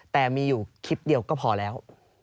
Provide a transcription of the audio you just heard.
แต่มีอยู่คลิปเดียวก็พอแล้ว